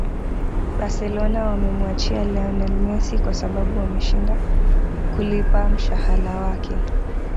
barcelona wamemuachia lionel messi kwa sababu wameshinda kulipa mshahala wake